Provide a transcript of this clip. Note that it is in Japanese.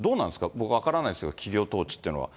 僕分からないんですが、企業統治っていうのは。